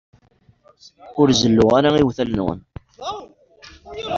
Ur zelluɣ ara iwtal-nwen.